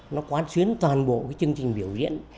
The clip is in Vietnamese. nó quán xuyến toàn bộ cái chương trình biểu diễn